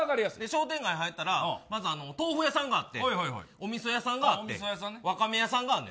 商店街入ったら豆腐屋さんがあってお店屋さんがあってワカメ屋さんがあって。